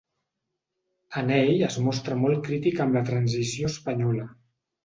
En ell es mostra molt crític amb la transició espanyola.